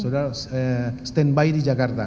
saudara standby di jakarta